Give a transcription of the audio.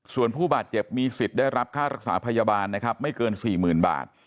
ส่วนผู้บาดเจ็บมีสิทธิ์ได้รับค่ารักษาพยาบาลนะครับไม่เกิน๔๐๐๐บาท